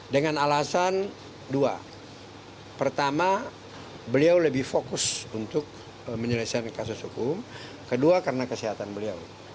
dengan alasan dua pertama beliau lebih fokus untuk menyelesaikan kasus hukum kedua karena kesehatan beliau